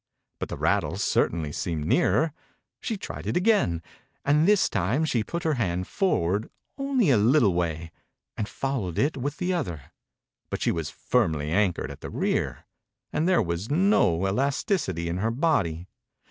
But the rattle certainly seemed nearer. She tried it again, and this time she put her hand for ward only a little way, and fol lowed it with the other, but she was firmly anchored at the rear, and there was no elasticity in her body.